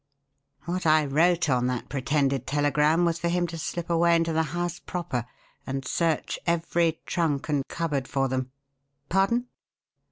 What I wrote on that pretended telegram was for him to slip away into the house proper and search every trunk and cupboard for them. Pardon?